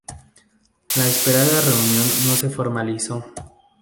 La esperada reunión no se formalizó.